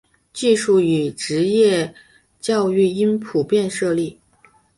技术和职业教育应普遍设立。